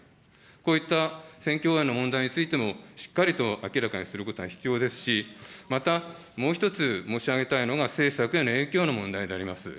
こういった選挙応援の問題についても、しっかりと明らかにすることが必要ですし、また、もう一つ、申し上げたいのが、政策への影響の問題であります。